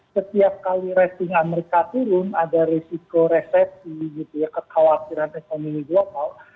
setiap kali rating amerika turun ada resiko resesi gitu ya kekhawatiran ekonomi global